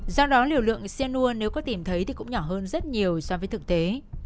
do đó liều lượng cyanur nếu có tìm thấy thì cũng nhỏ hơn rất nhiều so với thực tế